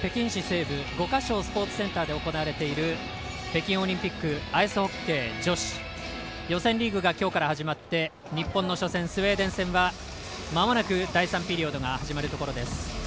北京市西部五か松スポーツセンターで行われている北京オリンピックアイスホッケー女子予選リーグがきょうから始まって日本の初戦スウェーデン戦は、まもなく第３ピリオドが始まるところです。